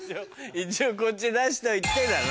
一応こっち出しといてだな。